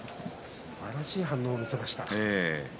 すばらしい反応を見せました。